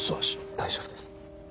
大丈夫です。